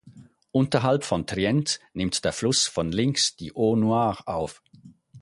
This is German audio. Unterhalb von Trient nimmt der Fluss von links die Eau Noire auf.